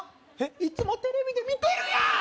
いつもテレビで見てるやん！